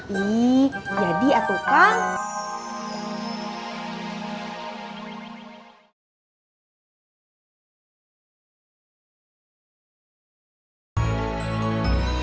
iiih jadi ya tukang